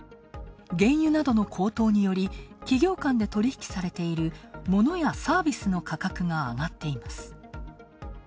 原油などの高騰により、企業間で取り引きされているモノやサービスの価格が上がっています。